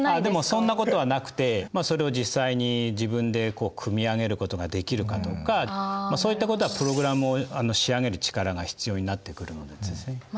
でもそんなことはなくてそれを実際に自分で組み上げることができるかどうかそういったことはプログラムを仕上げる力が必要になってくるんですね。